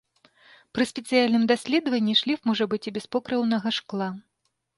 Пры спецыяльным даследванні шліф можа быць і без покрыўнага шкла.